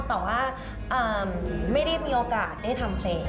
แต่ว่าไม่ได้มีโอกาสได้ทำเพลง